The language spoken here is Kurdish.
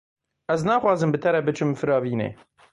Ez naxwazim bi te re biçim firavînê.